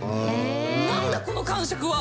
何だこの感触は？